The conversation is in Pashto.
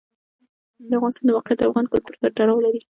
د افغانستان د موقعیت د افغان کلتور سره تړاو لري.